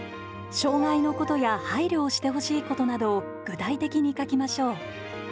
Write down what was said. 障害のことや配慮をしてほしいことなどを具体的に書きましょう。